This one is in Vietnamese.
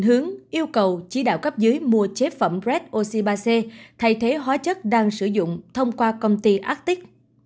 hướng yêu cầu chỉ đạo cấp dưới mua chế phẩm red losibase thay thế hóa chất đang sử dụng thông qua công ty arctic